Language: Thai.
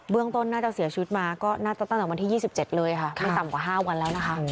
ต้นน่าจะเสียชีวิตมาก็น่าจะตั้งแต่วันที่๒๗เลยค่ะไม่ต่ำกว่า๕วันแล้วนะคะ